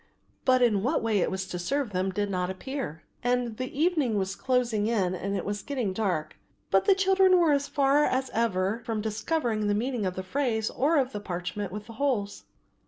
But in what way it was to serve them did not appear, and the evening was closing in and it was getting dark, but the children were as far as ever from discovering the meaning of the phrase or of the parchment with the holes.